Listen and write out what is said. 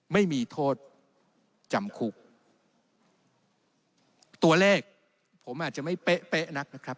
ไม่มีโทษจำคุกตัวเลขผมอาจจะไม่เป๊ะเป๊ะนักนะครับ